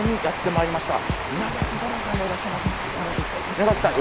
稲垣さん